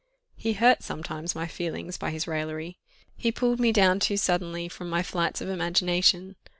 He hurt, sometimes, my feelings by his raillery he pulled me down too suddenly from my flights of imagination.